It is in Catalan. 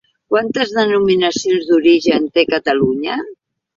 Quantes denominacions d'origen té Catalunya?